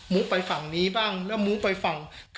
ไปฝั่งนี้บ้างแล้วมุไปฝั่ง